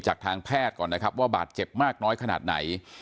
จากทางแพทย์ก่อนนะครับว่าบาดเจ็บมากน้อยขนาดไหน